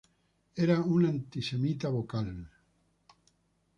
Era un antisemita vocal.